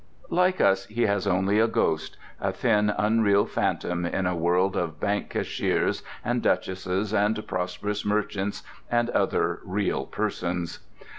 Like us he has only a ghost, a thin, unreal phantom in a world of bank cashiers and duchesses and prosperous merchants and other Real Persons.